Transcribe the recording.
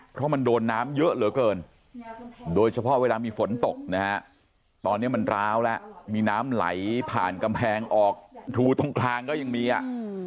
เพราะมันโดนน้ำเยอะเหลือเกินโดยเฉพาะเวลามีฝนตกนะฮะตอนนี้มันร้าวแล้วมีน้ำไหลผ่านกำแพงออกรูตรงกลางก็ยังมีอ่ะ